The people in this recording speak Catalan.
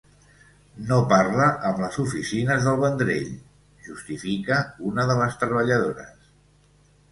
“No parla amb les oficines del Vendrell”, justifica una de les treballadores.